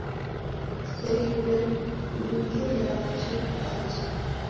Kuseliwe kudungiria machi ghikate